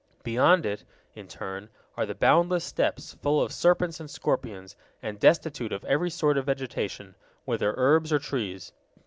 Beyond it, in turn, are the boundless steppes full of serpents and scorpions, and destitute of every sort of vegetation, whether herbs or trees.